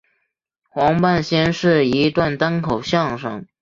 黄半仙是一段单口相声。